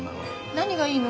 何がいいの？